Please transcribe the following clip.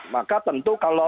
maka tentu kalau